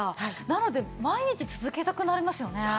なので毎日続けたくなりますよね。